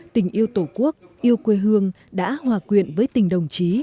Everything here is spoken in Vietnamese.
tình yêu tổ quốc yêu quê hương đã hòa quyện với tình đồng chí